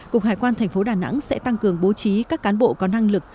cục hải quan thành phố đà nẵng sẽ tăng cường bố trí các cán bộ có năng lực